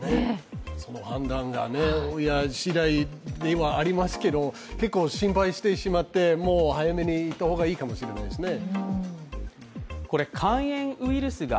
その判断が親次第ではありますけれども結構心配してしまって早めに行った方がいいかもしれませんね。